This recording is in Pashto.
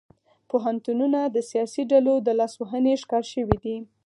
پوهنتونونه د سیاسي ډلو د لاسوهنې ښکار شوي دي